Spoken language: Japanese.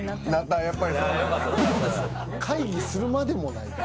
会議するまでもない。